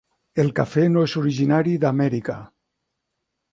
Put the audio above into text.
El cafè no és originari d'Amèrica.